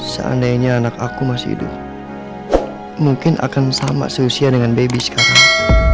seandainya anak aku masih hidup mungkin akan sama seusia dengan baby sekarang